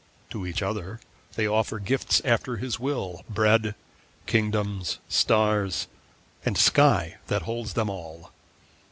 To each they offer gifts after his will, Bread, kingdoms, stars, and sky that holds them all.